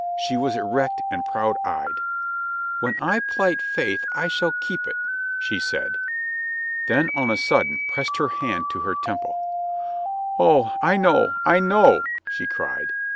She was erect and proud eyed. "When I plight faith I shall keep it," she said. Then on a sudden pressed her hand to her temple. "Oh, I know, I know!" she cried.